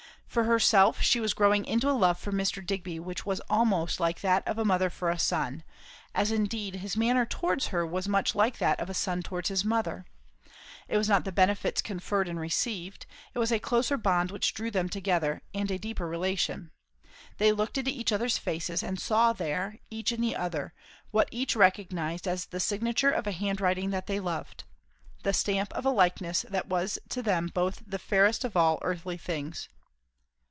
For herself, she was growing into a love for Mr. Digby which was almost like that of a mother for a son; as indeed his manner towards her was much like that of a son towards his mother. It was not the benefits conferred and received; it was a closer bond which drew them together, and a deeper relation. They looked into each other's faces, and saw there, each in the other, what each recognized as the signature of a handwriting that they loved; the stamp of a likeness that was to them both the fairest of all earthly things.